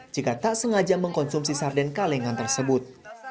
jika tak sengaja mengkonsumsi sarden kalengan tersebut